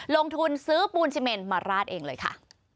ลงทุนซื้อปูนซีเมนมาราดเองเลยค่ะ